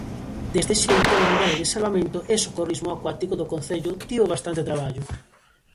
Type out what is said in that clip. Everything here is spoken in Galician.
Deste xeito, a unidade de salvamento e socorrismo acuático do concello tivo bastante traballo.